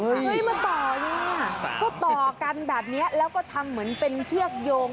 เฮ้ยมาต่อว่าก็ต่อกันแบบนี้แล้วก็ทำเหมือนเป็นเชือกโยง